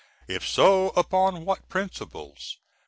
If so, upon what principles?